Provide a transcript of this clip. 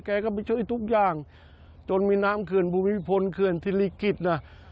แกก็ไปช่วยทุกอย่างจนมีน้ำเขื่อนภูมิพลเขื่อนศิริกิจนะ